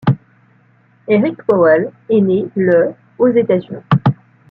Eric Powell est né le aux États-Unis.